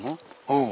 うん。